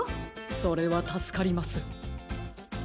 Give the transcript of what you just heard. それはたすかります。